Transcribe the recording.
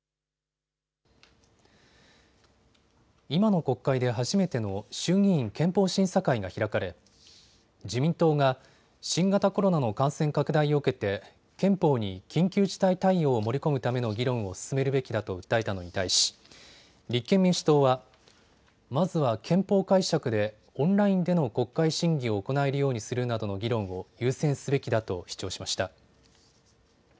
今の国会で初めての衆議院憲法審査会が開かれ自民党が新型コロナの感染拡大を受けて憲法に緊急事態対応を盛り込むための議論を進めるべきだと訴えたのに対し立憲民主党はまずは憲法解釈でオンラインでの国会審議を行えるようにするなどの議論を優先すべきだと主張しました。